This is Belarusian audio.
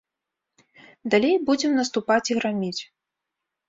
Далей будзем наступаць і граміць.